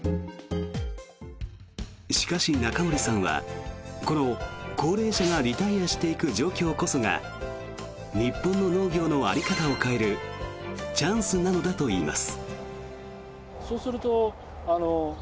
しかし、中森さんはこの高齢者がリタイアしていく状況こそが日本の農業の在り方を変えるチャンスなのだといいます。